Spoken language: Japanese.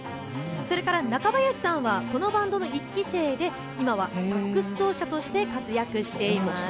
それから中林さんはこのバンドの１期生で今はサックス奏者として活躍しています。